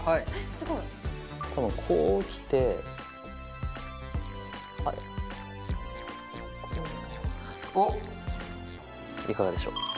すごいこうきてこうおっいかがでしょう？